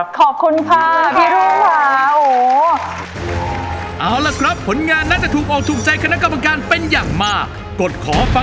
ขอบคุณค่ะ